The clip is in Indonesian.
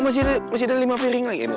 masih ada lima piring lagi ya